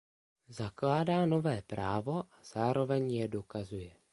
Zakládá nové právo a zároveň je dokazuje.